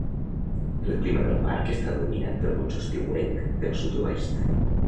El clima del parc està dominat pel monsó estiuenc del sud-oest.